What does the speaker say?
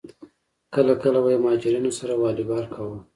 کله کله به یې مهاجرینو سره والیبال کاوه.